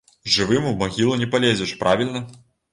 Жывым у магілу не палезеш, правільна?